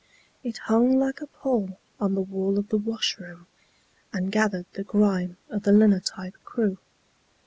It hung like a pall on the wall of the washroom, And gathered the grime of the linotype crew.